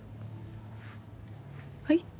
はい？